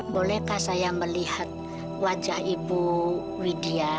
bolehkah saya melihat wajah ibu widya